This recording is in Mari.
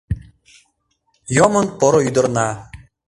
«Йомын поро ӱдырна!»